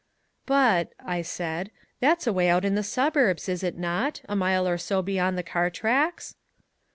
"But," I said, "that's away out in the suburbs, is it not, a mile or so beyond the car tracks?"